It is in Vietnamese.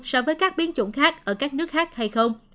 so với các biến chủng khác ở các nước khác hay không